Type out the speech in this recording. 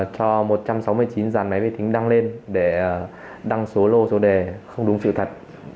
cho một trăm sáu mươi chín giàn máy vi tính đăng lên để đăng số lô số đề không đúng sự thật